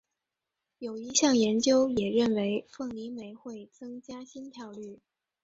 有一项研究也认为凤梨酶会增加心跳率。